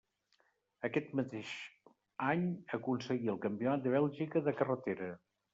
Aquest mateix any aconseguí el Campionat de Bèlgica de carretera.